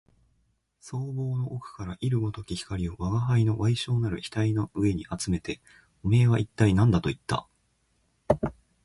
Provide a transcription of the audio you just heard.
双眸の奥から射るごとき光を吾輩の矮小なる額の上にあつめて、おめえは一体何だと言った